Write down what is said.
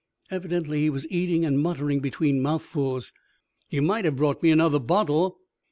Evidently he was eating and muttering between mouthfuls. 'You might have brought me another bottle.'